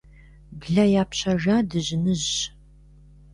Блэ япщэжа дыжьыныжьщ.